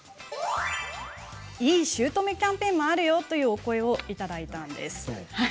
いい姑キャンペーンもあるよというお声をいただいたんです。